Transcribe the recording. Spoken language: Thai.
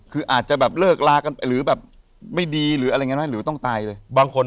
คืออาจจะแบบเลิกลากันไปหรือแบบไม่ดีหรืออะไรอย่างนี้ไหมหรือต้องตายเลยบางคน